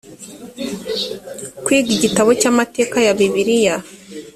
kwiga igitabo cy amateka ya bibiliya